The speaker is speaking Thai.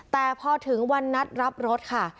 แต่พอถึงวันนัดรับรถค่ะ